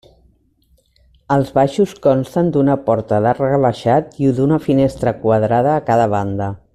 Els baixos consten d'una porta d'arc rebaixat i d'una finestra quadrada a cada banda.